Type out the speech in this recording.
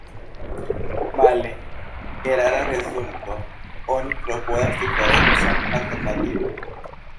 Male —erara rezulto— oni klopodas diferencan alternativon.